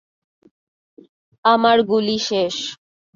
আমার গুলি শেষ!